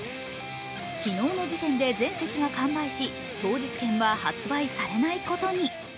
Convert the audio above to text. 昨日の時点で全席が完売し、当日券は発売されないことに。